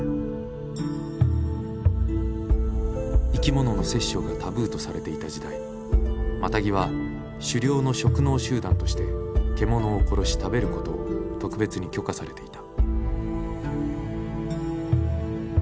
生き物の殺生がタブーとされていた時代マタギは狩猟の職能集団として獣を殺し食べることを特別に許可されていた。